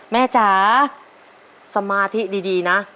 จ๋าสมาธิดีนะ